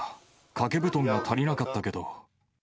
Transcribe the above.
掛け布団が足りなかったけど。